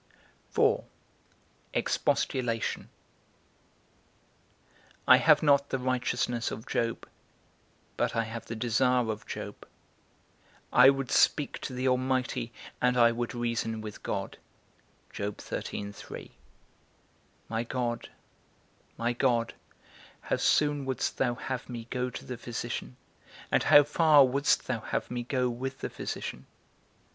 IV. EXPOSTULATION. I have not the righteousness of Job, but I have the desire of Job: I would speak to the Almighty, and I would reason with God. My God, my God, how soon wouldst thou have me go to the physician, and how far wouldst thou have me go with the physician?